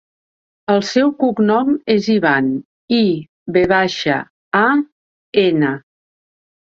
El seu cognom és Ivan: i, ve baixa, a, ena.